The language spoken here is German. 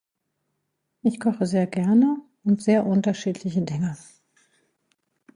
Ich koche sehr gerne und sehr unterschiedliche Dinge